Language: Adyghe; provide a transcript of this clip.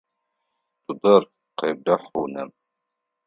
Дудар, къеблагъ унэм!